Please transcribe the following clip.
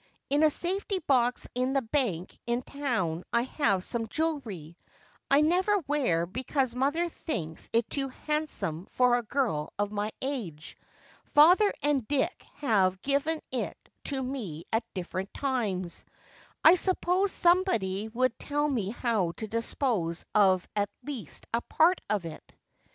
In a safety box in the bank in town I have some jewelry I never wear because mother thinks it too handsome for a girl of my age. Father and Dick have given it to me at different times. I suppose somebody would tell me how to dispose of at least a part of it."